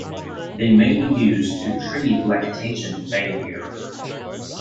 They may be used to treat lactation failure.